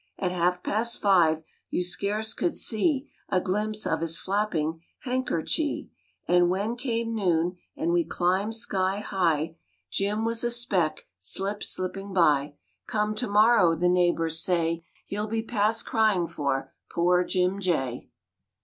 At half past five You scarce could see A glimpse of his flapping Handkerchee. And when came noon, And we climbed sky high, RAINBOW GOLD Jim was a speck Slip slipping by. Come tomorrow, The neighbours say, He'll be past crying for; Poor Jim Jay.